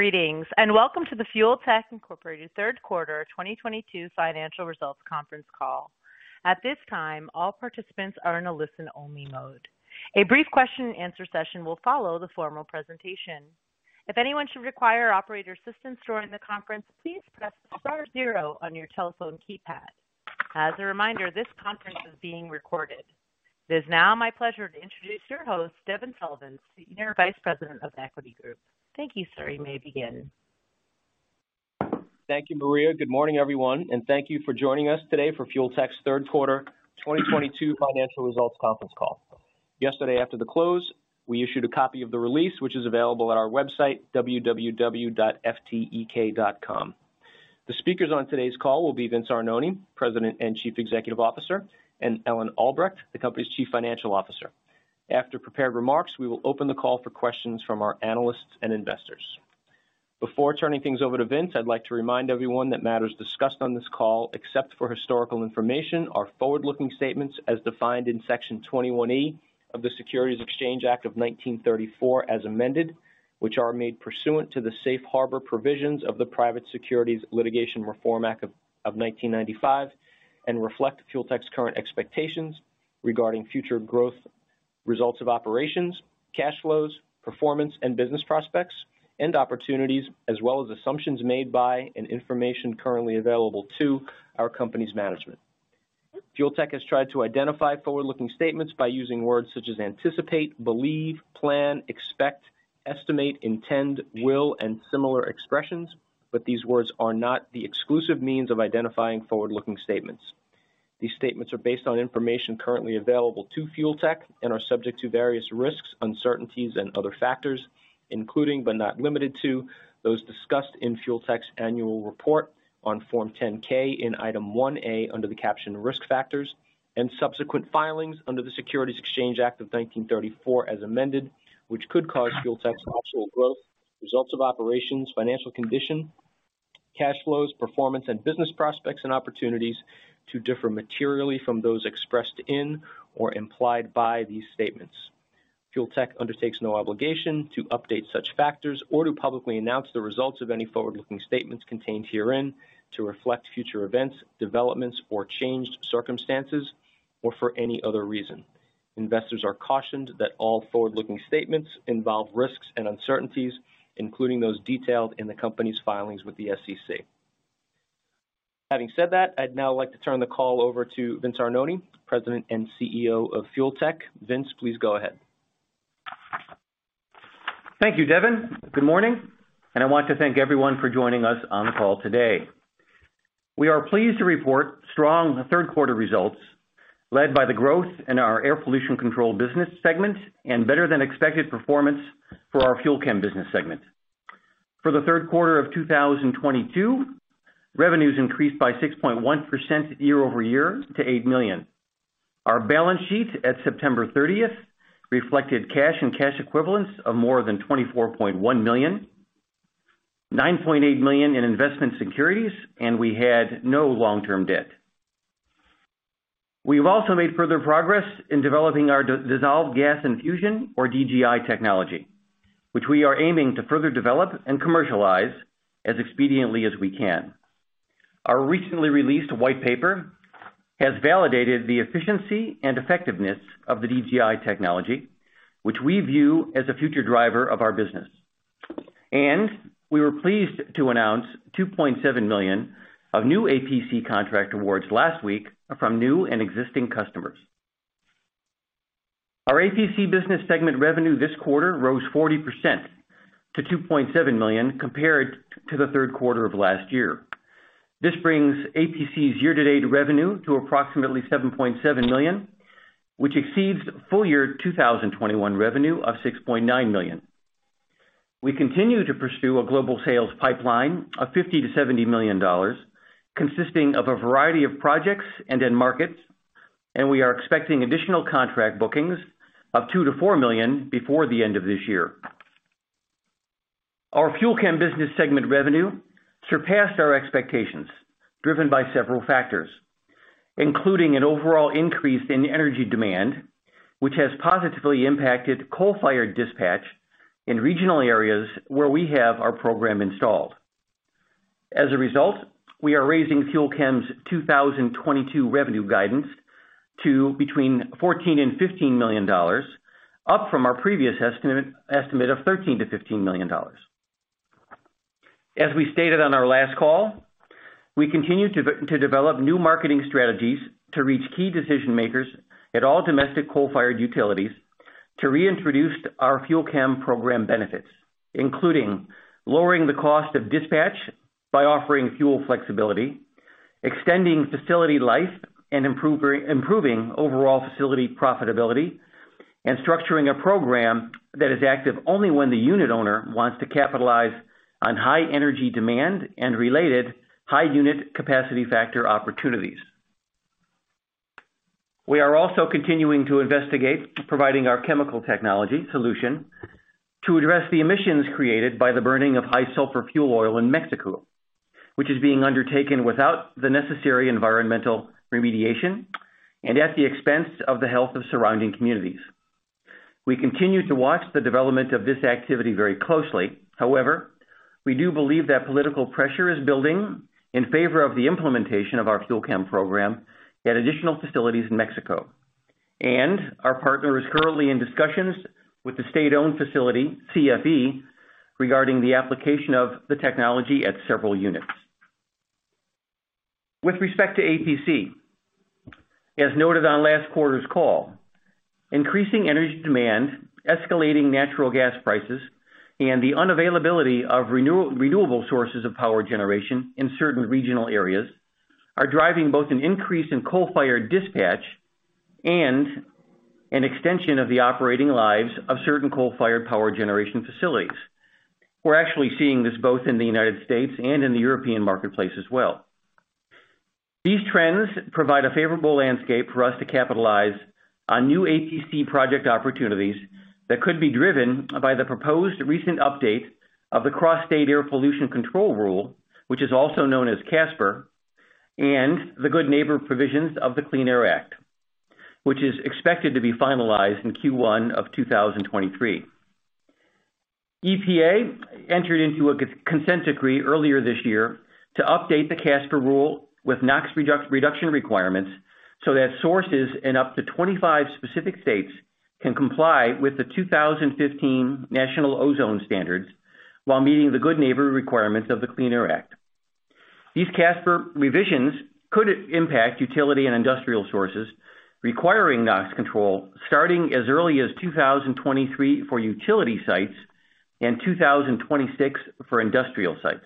Greetings, and welcome to the Fuel Tech Incorporated third quarter 2022 financial results conference call. At this time, all participants are in a listen-only mode. A brief question and answer session will follow the formal presentation. If anyone should require operator assistance during the conference, please press star zero on your telephone keypad. As a reminder, this conference is being recorded. It is now my pleasure to introduce your host, Devin Sullivan, Senior Vice President of The Equity Group. Thank you, sir. You may begin. Thank you, Maria. Good morning, everyone, and thank you for joining us today for Fuel Tech's third quarter 2022 financial results conference call. Yesterday, after the close, we issued a copy of the release, which is available at our website, www.ftek.com. The speakers on today's call will be Vince Arnone, President and Chief Executive Officer, and Ellen Albrecht, the company's Chief Financial Officer. After prepared remarks, we will open the call for questions from our analysts and investors. Before turning things over to Vince, I'd like to remind everyone that matters discussed on this call, except for historical information, are forward-looking statements as defined in Section 21E of the Securities Exchange Act of 1934, as amended, which are made pursuant to the safe harbor provisions of the Private Securities Litigation Reform Act of 1995 and reflect Fuel Tech's current expectations regarding future growth, results of operations, cash flows, performance, and business prospects and opportunities, as well as assumptions made by and information currently available to our company's management. Fuel Tech has tried to identify forward-looking statements by using words such as anticipate, believe, plan, expect, estimate, intend, will, and similar expressions, but these words are not the exclusive means of identifying forward-looking statements. These statements are based on information currently available to Fuel Tech and are subject to various risks, uncertainties, and other factors, including but not limited to those discussed in Fuel Tech's annual report on Form 10-K in Item 1A under the caption Risk Factors and subsequent filings under the Securities Exchange Act of 1934, as amended, which could cause Fuel Tech's operational growth, results of operations, financial condition, cash flows, performance and business prospects and opportunities to differ materially from those expressed in or implied by these statements. Fuel Tech undertakes no obligation to update such factors or to publicly announce the results of any forward-looking statements contained herein to reflect future events, developments or changed circumstances or for any other reason. Investors are cautioned that all forward-looking statements involve risks and uncertainties, including those detailed in the company's filings with the SEC. Having said that, I'd now like to turn the call over to Vince Arnone, President and CEO of Fuel Tech. Vince, please go ahead. Thank you, Devin. Good morning, and I want to thank everyone for joining us on the call today. We are pleased to report strong third quarter results led by the growth in our air pollution control business segment and better than expected performance for our FUEL CHEM business segment. For the third quarter of 2022, revenues increased by 6.1% year-over-year to $8 million. Our balance sheet at September thirtieth reflected cash and cash equivalents of more than $24.1 million, $9.8 million in investment securities, and we had no long-term debt. We've also made further progress in developing our dissolved gas infusion or DGI technology, which we are aiming to further develop and commercialize as expediently as we can. Our recently released white paper has validated the efficiency and effectiveness of the DGI technology, which we view as a future driver of our business. We were pleased to announce $2.7 million of new APC contract awards last week from new and existing customers. Our APC business segment revenue this quarter rose 40% to $2.7 million compared to the third quarter of last year. This brings APC's year-to-date revenue to approximately $7.7 million, which exceeds full year 2021 revenue of $6.9 million. We continue to pursue a global sales pipeline of $50-$70 million consisting of a variety of projects and end markets, and we are expecting additional contract bookings of $2-$4 million before the end of this year. Our FUEL CHEM business segment revenue surpassed our expectations, driven by several factors, including an overall increase in energy demand, which has positively impacted coal-fired dispatch in regional areas where we have our program installed. As a result, we are raising FUEL CHEM's 2022 revenue guidance to between $14 million and $15 million, up from our previous estimate of $13 million-$15 million. As we stated on our last call, we continue to develop new marketing strategies to reach key decision makers at all domestic coal-fired utilities to reintroduce our FUEL CHEM program benefits, including lowering the cost of dispatch by offering fuel flexibility, extending facility life, and improving overall facility profitability and structuring a program that is active only when the unit owner wants to capitalize on high energy demand and related high unit capacity factor opportunities. We are also continuing to investigate providing our chemical technology solution to address the emissions created by the burning of high sulfur fuel oil in Mexico, which is being undertaken without the necessary environmental remediation and at the expense of the health of surrounding communities. We continue to watch the development of this activity very closely. However, we do believe that political pressure is building in favor of the implementation of our FuelChem program at additional facilities in Mexico. Our partner is currently in discussions with the state-owned facility, CFE, regarding the application of the technology at several units. With respect to APC, as noted on last quarter's call, increasing energy demand, escalating natural gas prices, and the unavailability of renewable sources of power generation in certain regional areas are driving both an increase in coal-fired dispatch and an extension of the operating lives of certain coal-fired power generation facilities. We're actually seeing this both in the United States and in the European marketplace as well. These trends provide a favorable landscape for us to capitalize on new APC project opportunities that could be driven by the proposed recent update of the Cross-State Air Pollution Rule, which is also known as CSAPR, and the Good Neighbor Provisions of the Clean Air Act, which is expected to be finalized in Q1 of 2023. EPA entered into a consent decree earlier this year to update the CSAPR rule with NOx reduction requirements so that sources in up to 25 specific states can comply with the 2015 national ozone standards while meeting the Good Neighbor requirements of the Clean Air Act. These CSAPR revisions could impact utility and industrial sources requiring NOx control starting as early as 2023 for utility sites and 2026 for industrial sites.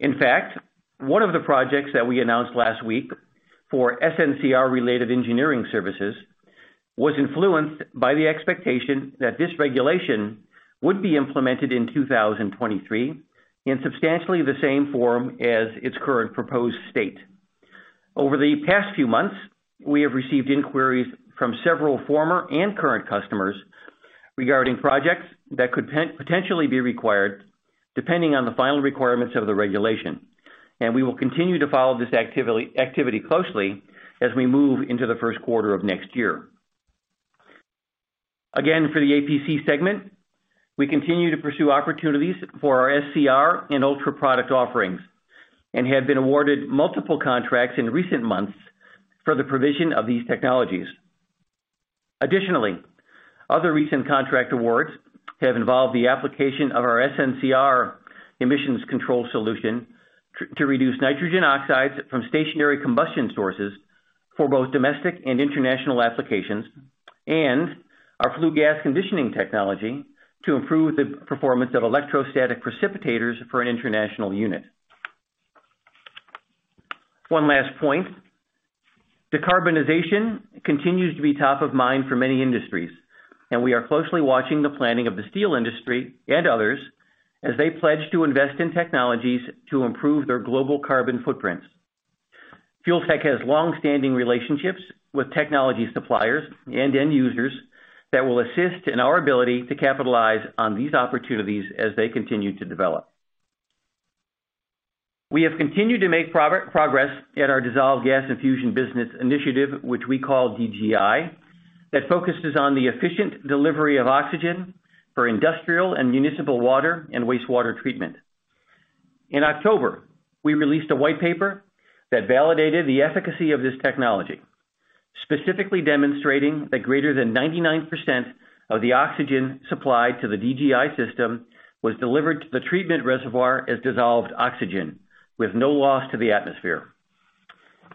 In fact, one of the projects that we announced last week for SNCR-related engineering services was influenced by the expectation that this regulation would be implemented in 2023 in substantially the same form as its current proposed state. Over the past few months, we have received inquiries from several former and current customers regarding projects that could potentially be required depending on the final requirements of the regulation, and we will continue to follow this activity closely as we move into the first quarter of next year. Again, for the APC segment, we continue to pursue opportunities for our SCR and Ultra product offerings and have been awarded multiple contracts in recent months for the provision of these technologies. Additionally, other recent contract awards have involved the application of our SNCR emissions control solution to reduce nitrogen oxides from stationary combustion sources for both domestic and international applications and our flue gas conditioning technology to improve the performance of electrostatic precipitators for an international unit. One last point. Decarbonization continues to be top of mind for many industries, and we are closely watching the planning of the steel industry and others as they pledge to invest in technologies to improve their global carbon footprints. Fuel Tech has long-standing relationships with technology suppliers and end users that will assist in our ability to capitalize on these opportunities as they continue to develop. We have continued to make progress at our Dissolved Gas Infusion business initiative, which we call DGI, that focuses on the efficient delivery of oxygen for industrial and municipal water and wastewater treatment. In October, we released a white paper that validated the efficacy of this technology, specifically demonstrating that greater than 99% of the oxygen supplied to the DGI system was delivered to the treatment reservoir as dissolved oxygen with no loss to the atmosphere.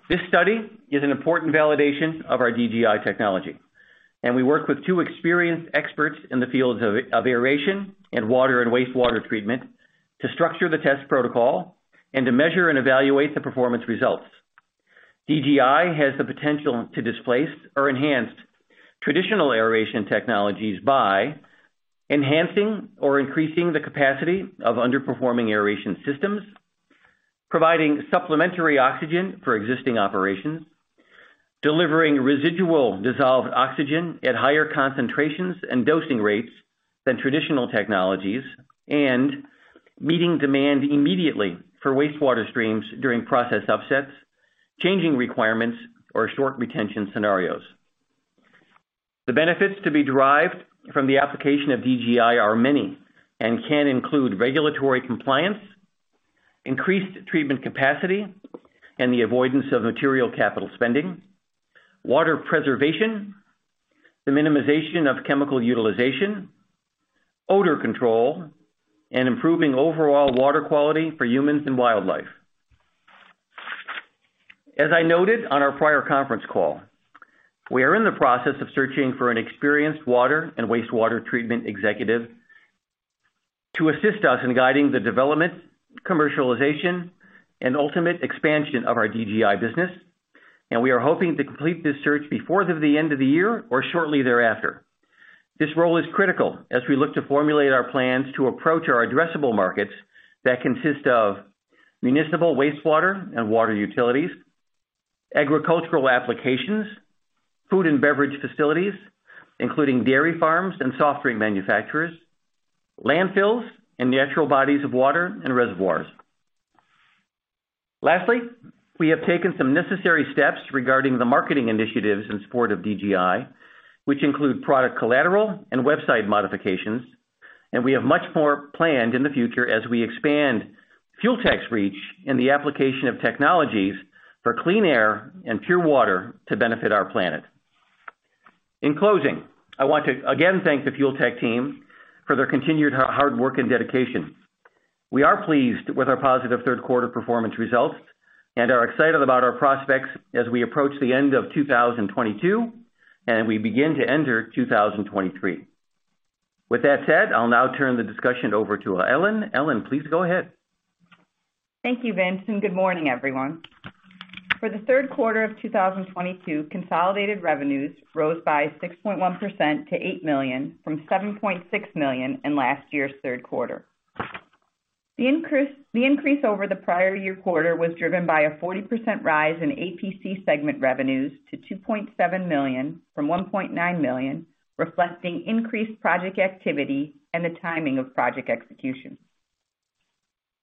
This study is an important validation of our DGI technology, and we work with two experienced experts in the fields of aeration and water and wastewater treatment to structure the test protocol and to measure and evaluate the performance results. DGI has the potential to displace or enhance traditional aeration technologies by enhancing or increasing the capacity of underperforming aeration systems, providing supplementary oxygen for existing operations, delivering residual dissolved oxygen at higher concentrations and dosing rates than traditional technologies, and meeting demand immediately for wastewater streams during process upsets, changing requirements, or short retention scenarios. The benefits to be derived from the application of DGI are many and can include regulatory compliance, increased treatment capacity, and the avoidance of material capital spending, water preservation, the minimization of chemical utilization, odor control, and improving overall water quality for humans and wildlife. As I noted on our prior conference call, we are in the process of searching for an experienced water and wastewater treatment executive to assist us in guiding the development, commercialization, and ultimate expansion of our DGI business, and we are hoping to complete this search before the end of the year or shortly thereafter. This role is critical as we look to formulate our plans to approach our addressable markets that consist of municipal wastewater and water utilities, agricultural applications, food and beverage facilities, including dairy farms and soft drink manufacturers, landfills, and natural bodies of water and reservoirs. Lastly, we have taken some necessary steps regarding the marketing initiatives in support of DGI, which include product collateral and website modifications, and we have much more planned in the future as we expand Fuel Tech's reach in the application of technologies for clean air and pure water to benefit our planet. In closing, I want to again thank the Fuel Tech team for their continued hard work and dedication. We are pleased with our positive third quarter performance results and are excited about our prospects as we approach the end of 2022 and we begin to enter 2023. With that said, I'll now turn the discussion over to Ellen. Ellen, please go ahead. Thank you, Vince, and good morning, everyone. For the third quarter of 2022, consolidated revenues rose by 6.1% to $8 million from $7.6 million in last year's third quarter. The increase over the prior year quarter was driven by a 40% rise in APC segment revenues to $2.7 million from $1.9 million, reflecting increased project activity and the timing of project execution.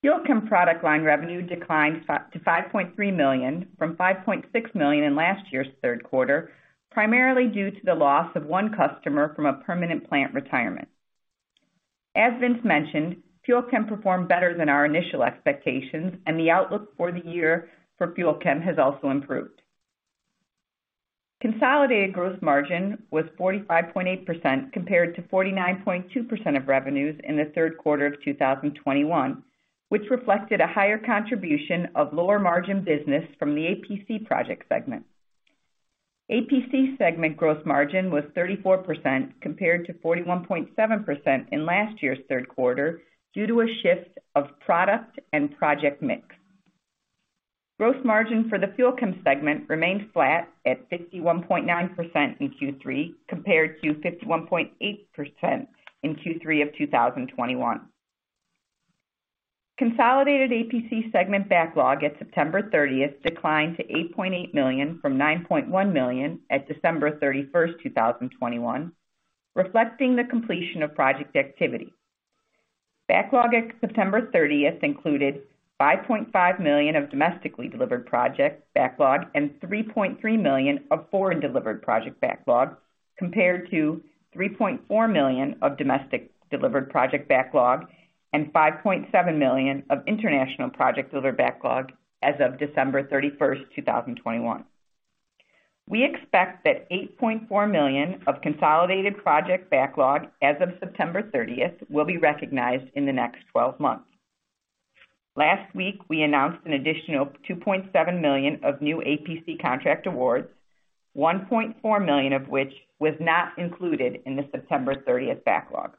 FUEL CHEM product line revenue declined to $5.3 million from $5.6 million in last year's third quarter, primarily due to the loss of one customer from a permanent plant retirement. As Vince mentioned, FUEL CHEM performed better than our initial expectations, and the outlook for the year for FUEL CHEM has also improved. Consolidated gross margin was 45.8% compared to 49.2% of revenues in the third quarter of 2021, which reflected a higher contribution of lower margin business from the APC project segment. APC segment gross margin was 34% compared to 41.7% in last year's third quarter due to a shift of product and project mix. Gross margin for the FUEL CHEM segment remained flat at 51.9% in Q3 compared to 51.8% in Q3 of 2021. Consolidated APC segment backlog at September 30 declined to 8.8 million from 9.1 million at December 31, 2021, reflecting the completion of project activity. Backlog at September 30 included $5.5 million of domestically delivered project backlog and $3.3 million of foreign delivered project backlog, compared to $3.4 million of domestic delivered project backlog and $5.7 million of international project delivered backlog as of December 31, 2021. We expect that $8.4 million of consolidated project backlog as of September 30 will be recognized in the next twelve months. Last week, we announced an additional $2.7 million of new APC contract awards, $1.4 million of which was not included in the September 30 backlog.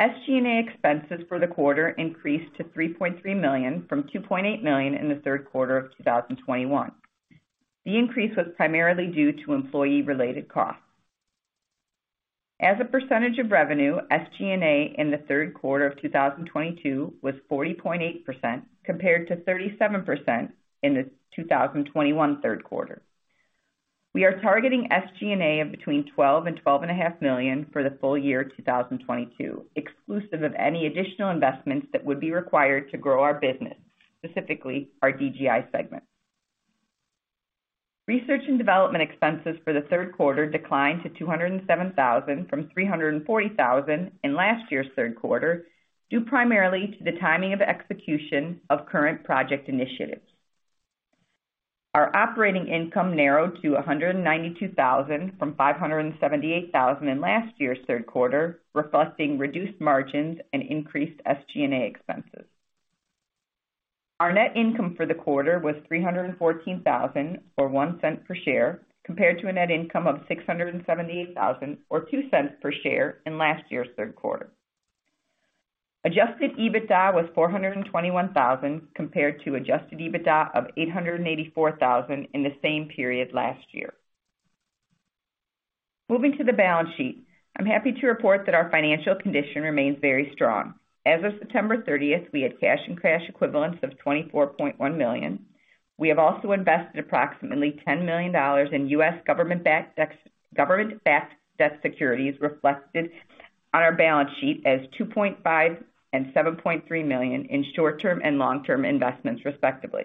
SG&A expenses for the quarter increased to $3.3 million from $2.8 million in the third quarter of 2021. The increase was primarily due to employee-related costs. As a percentage of revenue, SG&A in the third quarter of 2022 was 40.8% compared to 37% in the 2021 third quarter. We are targeting SG&A of between $12-$12.5 million for the full year 2022, exclusive of any additional investments that would be required to grow our business, specifically our DGI segment. Research and development expenses for the third quarter declined to $207,000 from $340,000 in last year's third quarter, due primarily to the timing of execution of current project initiatives. Our operating income narrowed to $192,000 from $578,000 in last year's third quarter, reflecting reduced margins and increased SG&A expenses. Our net income for the quarter was $314,000 or $0.01 per share, compared to a net income of $678,000 or $0.02 per share in last year's third quarter. Adjusted EBITDA was $421,000 compared to adjusted EBITDA of $884,000 in the same period last year. Moving to the balance sheet, I'm happy to report that our financial condition remains very strong. As of September 30, we had cash and cash equivalents of $24.1 million. We have also invested approximately $10 million in U.S. government-backed debt securities reflected on our balance sheet as $2.5 million and $7.3 million in short-term and long-term investments, respectively.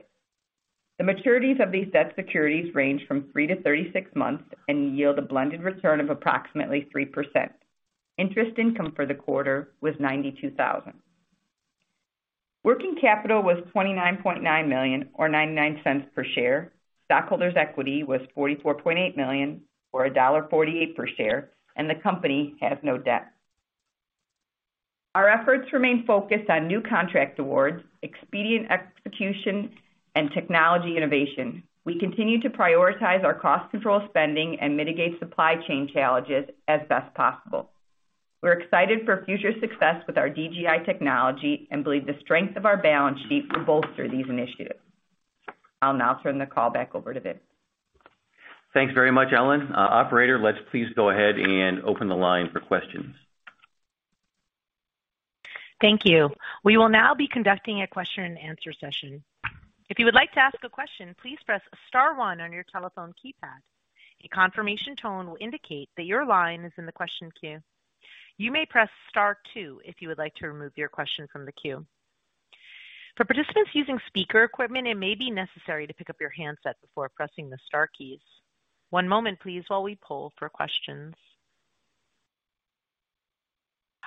The maturities of these debt securities range from 3-36 months and yield a blended return of approximately 3%. Interest income for the quarter was $92,000. Working capital was $29.9 million or $0.99 per share. Stockholders' equity was $44.8 million or $1.48 per share, and the company has no debt. Our efforts remain focused on new contract awards, expedient execution, and technology innovation. We continue to prioritize our cost control spending and mitigate supply chain challenges as best possible. We're excited for future success with our DGI technology and believe the strength of our balance sheet will bolster these initiatives. I'll now turn the call back over to Vince. Thanks very much, Ellen. Operator, let's please go ahead and open the line for questions. Thank you. We will now be conducting a question and answer session. If you would like to ask a question, please press star one on your telephone keypad. A confirmation tone will indicate that your line is in the question queue. You may press star two if you would like to remove your question from the queue. For participants using speaker equipment, it may be necessary to pick up your handset before pressing the star keys. One moment please while we poll for questions.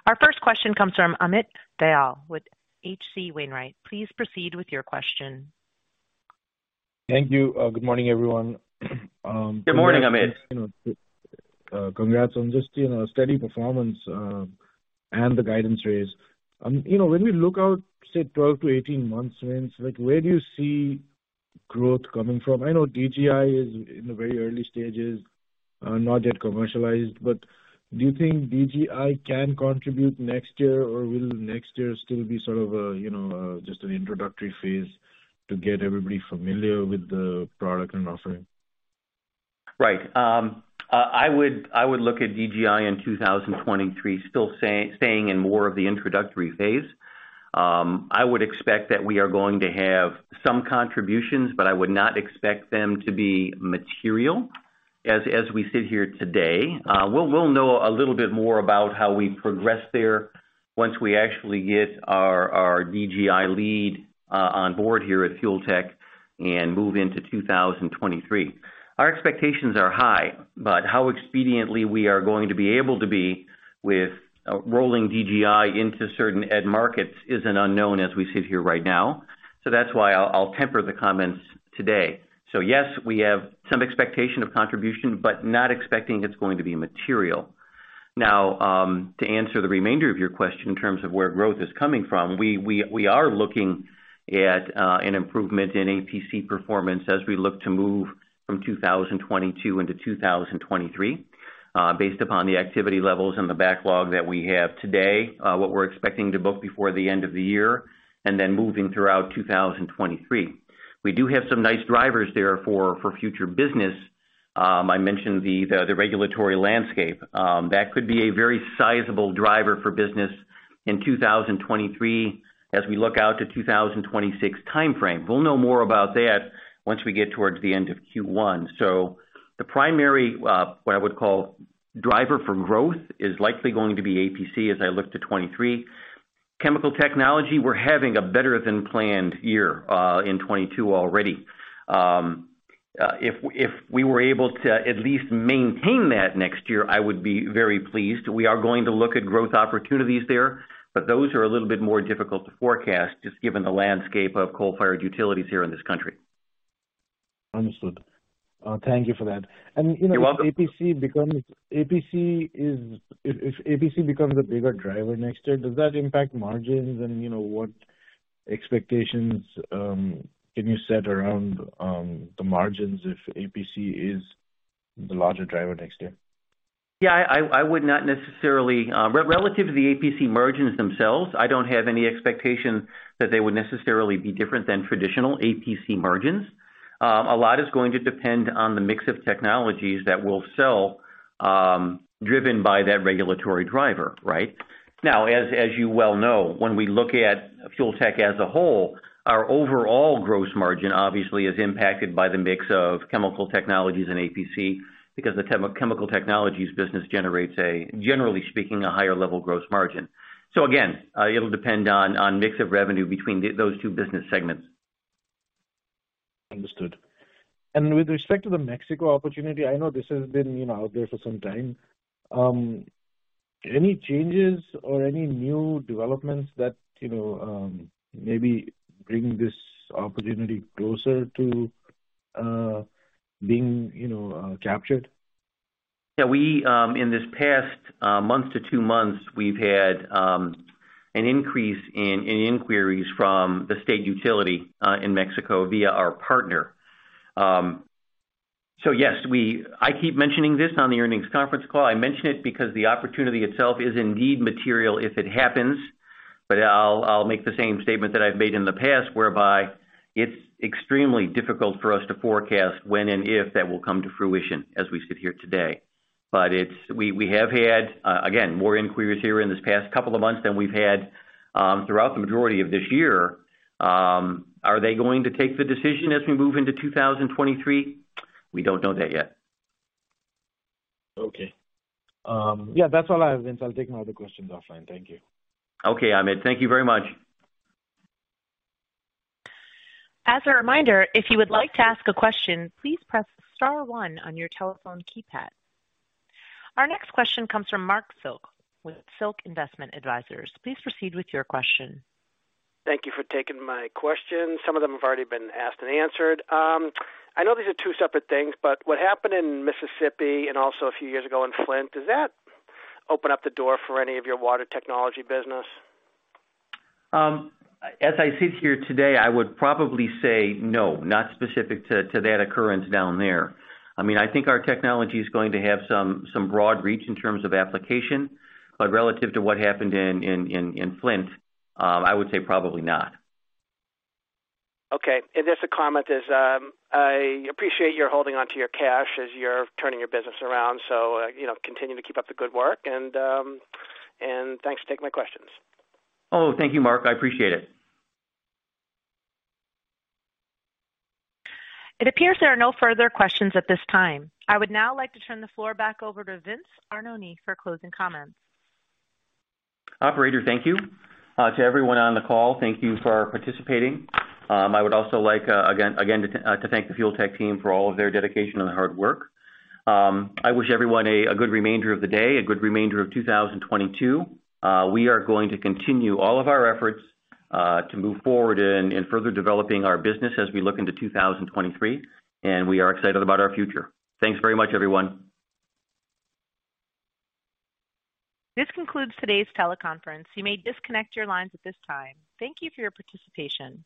Our first question comes from Amit Dayal with H.C. Wainwright. Please proceed with your question. Thank you. Good morning, everyone. Good morning, Amit. You know, congrats on just, you know, steady performance and the guidance raise. You know, when we look out say 12-18 months, Vince, like where do you see growth coming from? I know DGI is in the very early stages, not yet commercialized. Do you think DGI can contribute next year or will next year still be sort of a, you know, just an introductory phase to get everybody familiar with the product and offering? Right. I would look at DGI in 2023 still staying in more of the introductory phase. I would expect that we are going to have some contributions, but I would not expect them to be material as we sit here today. We'll know a little bit more about how we progress there once we actually get our DGI lead on board here at Fuel Tech and move into 2023. Our expectations are high, but how expediently we are going to be able to be with rolling DGI into certain end markets is an unknown as we sit here right now. That's why I'll temper the comments today. Yes, we have some expectation of contribution, but not expecting it's going to be material. Now, to answer the remainder of your question in terms of where growth is coming from, we are looking at an improvement in APC performance as we look to move from 2022 into 2023, based upon the activity levels and the backlog that we have today, what we're expecting to book before the end of the year, and then moving throughout 2023. We do have some nice drivers there for future business. I mentioned the regulatory landscape. That could be a very sizable driver for business in 2023 as we look out to 2026 timeframe. We'll know more about that once we get towards the end of Q1. The primary what I would call driver for growth is likely going to be APC as I look to 2023. Chemical technology, we're having a better than planned year in 2022 already. If we were able to at least maintain that next year, I would be very pleased. We are going to look at growth opportunities there, but those are a little bit more difficult to forecast just given the landscape of coal-fired utilities here in this country. Understood. Thank you for that. You're welcome. You know, if APC becomes a bigger driver next year, does that impact margins? You know, what expectations can you set around the margins if APC is the larger driver next year? Yeah, I would not necessarily relative to the APC margins themselves, I don't have any expectation that they would necessarily be different than traditional APC margins. A lot is going to depend on the mix of technologies that we'll sell, driven by that regulatory driver, right? Now, as you well know, when we look at Fuel Tech as a whole, our overall gross margin obviously is impacted by the mix of chemical technologies and APC because the chemical technologies business generates, generally speaking, a higher level gross margin. Again, it'll depend on mix of revenue between those two business segments. Understood. With respect to the Mexico opportunity, I know this has been, you know, out there for some time. Any changes or any new developments that, you know, maybe bring this opportunity closer to being, you know, captured? Yeah. We in this past month to two months, we've had an increase in inquiries from the state utility in Mexico via our partner. I keep mentioning this on the earnings conference call. I mention it because the opportunity itself is indeed material if it happens. I'll make the same statement that I've made in the past whereby it's extremely difficult for us to forecast when and if that will come to fruition as we sit here today. We have had again more inquiries here in this past couple of months than we've had throughout the majority of this year. Are they going to take the decision as we move into 2023? We don't know that yet. Okay. Yeah, that's all I have, Vince. I'll take my other questions offline. Thank you. Okay, Amit. Thank you very much. As a reminder, if you would like to ask a question, please press star one on your telephone keypad. Our next question comes from Marc Silk with Silk Investment Advisors. Please proceed with your question. Thank you for taking my question. Some of them have already been asked and answered. I know these are two separate things, but what happened in Mississippi and also a few years ago in Flint, does that open up the door for any of your water technology business? As I sit here today, I would probably say no, not specific to that occurrence down there. I mean, I think our technology is going to have some broad reach in terms of application. Relative to what happened in Flint, I would say probably not. Okay. Just a comment is, I appreciate your holding onto your cash as you're turning your business around. You know, continue to keep up the good work and thanks for taking my questions. Oh, thank you, Marc. I appreciate it. It appears there are no further questions at this time. I would now like to turn the floor back over to Vince Arnone for closing comments. Operator, thank you. To everyone on the call, thank you for participating. I would also like again to thank the Fuel Tech team for all of their dedication and hard work. I wish everyone a good remainder of the day, a good remainder of 2022. We are going to continue all of our efforts to move forward in further developing our business as we look into 2023, and we are excited about our future. Thanks very much, everyone. This concludes today's teleconference. You may disconnect your lines at this time. Thank you for your participation.